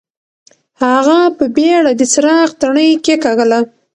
هغه په بېړه د څراغ تڼۍ کېکاږله.